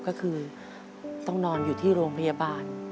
ก็คือต้องนอนอยู่ที่โรงพยาบาล